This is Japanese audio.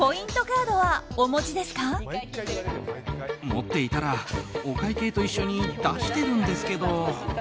持っていたらお会計と一緒に出してるんですけど。